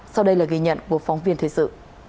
sau đây là ghi nhận của phóng viên thời sự